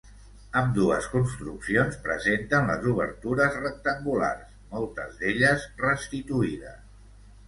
Ambdues construccions presenten les obertures rectangulars, moltes d'elles restituïdes.